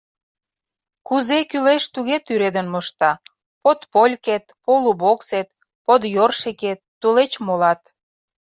Кузе кӱлеш, туге тӱредын мошта: подполькет, полубоксет, подёршикет, тулеч молат!